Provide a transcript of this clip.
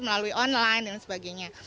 melalui online dan sebagainya